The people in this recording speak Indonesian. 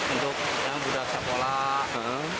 untuk budak sekolah